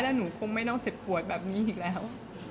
และหนูคงไม่ต้องเจ็บปวดแบบนี้อีกแล้ว